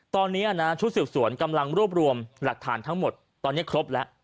ตอนนี้นะชุดสืบสวนกำลังรวบรวมหลักฐานทั้งหมดตอนนี้ครบแล้ว